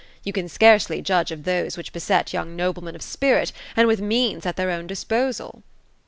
You can scarcely judge of those which beset young noblemen of spirit, and with means at their own disposal."